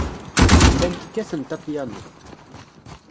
Llant kkatent apyanu.